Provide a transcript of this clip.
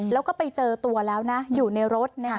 แล้วก็ไปเจอตัวแล้วนะอยู่ในรถ